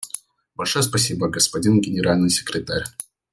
Большое спасибо, господин Генеральный секретарь.